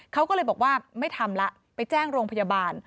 เขาก็เลยบอกว่าไม่ทำละไปแจ้งโรงพยาบาล